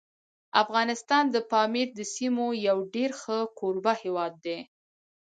افغانستان د پامیر د سیمو یو ډېر ښه کوربه هیواد دی.